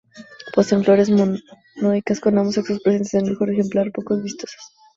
Poseen flores monoicas, con ambos sexos presentes en el mismo ejemplar, poco vistosas.